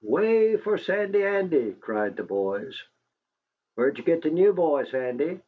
"Way for Sandy Andy!" cried the boys. "Where'd you get the new boy, Sandy?"